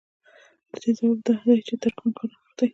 د دې ځواب دا دی چې د ترکاڼ کار نغښتی